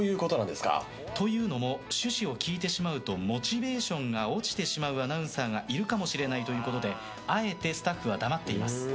趣旨を聞いてしまうとモチベーションが落ちてしまうアナウンサーがいるかもしれないということであえてスタッフは黙っています。